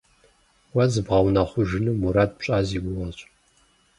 Уэ зыбгъэунэхъужыну мурад пщӏа си гугъэщ.